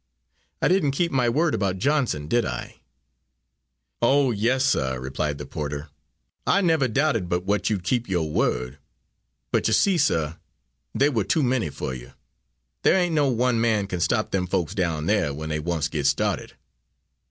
I didn't keep my word about Johnson, did I?" "Oh, yes, suh," replied the porter, "I never doubted but what you'd keep your word. But you see, suh, they were too many for you. There ain't no one man can stop them folks down there when they once get started."